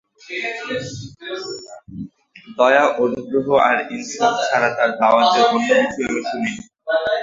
দয়া, অনুগ্রহ আর ইনসাফ ছাড়া তাঁর দাওয়াতের অন্য কিছুই আমি শুনি নি।